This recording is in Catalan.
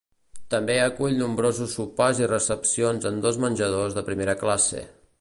També acull nombrosos sopars i recepcions en dos menjadors de primera classe.